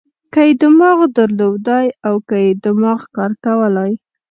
که یې دماغ درلودای او که یې دماغ کار کولای.